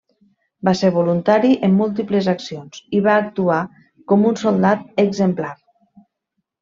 Va ser voluntari en múltiples accions i va actuar com un soldat exemplar.